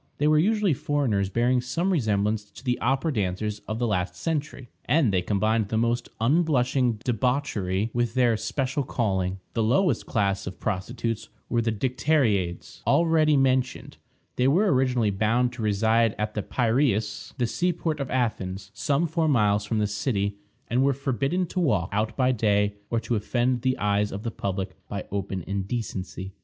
They were usually foreigners, bearing some resemblance to the opera dancers of the last century, and they combined the most unblushing debauchery with their special calling. The lowest class of prostitutes were the Dicteriades, already mentioned. They were originally bound to reside at the Piræus, the sea port of Athens, some four miles from the city, and were forbidden to walk out by day, or to offend the eyes of the public by open indecency.